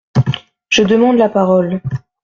Je demande la parole…